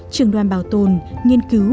trường đoàn bảo tồn nghiên cứu